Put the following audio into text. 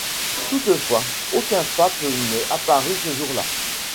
Toutefois, aucun pape n'est apparu ce jour-là.